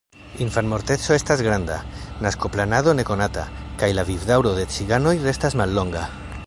Infanmorteco estas granda, naskoplanado nekonata kaj la vivdaŭro ĉe ciganoj restas mallonga.